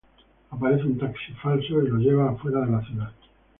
Aparece un taxi falso y los llevan afuera de la ciudad.